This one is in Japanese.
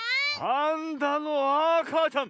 パンダのあかちゃん。